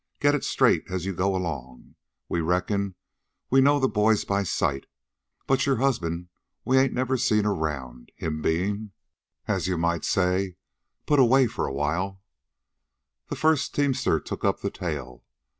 "Get it straight as you go along. We reckon we know the boys by sight. But your husband we ain't never seen around, him bein'..." "As you might say, put away for a while," the first teamster took up the tale.